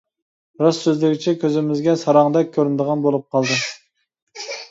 راست سۆزلىگۈچى كۆزىمىزگە ساراڭدەك كۆرۈنىدىغان بولۇپ قالدى.